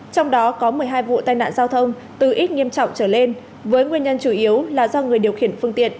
trong đó có một mươi hai vụ tai nạn giao thông từ ít nghiêm trọng trở lên với nguyên nhân chủ yếu là do người điều khiển phương tiện